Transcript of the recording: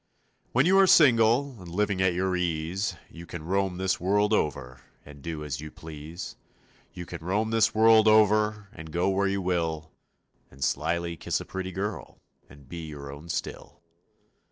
When you are single And living at your ease You can roam this world over And do as you please; You can roam this world over And go where you will And slyly kiss a pretty girl And be your own still.